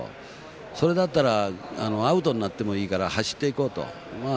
それだったらアウトになってもいいから走っていこうと。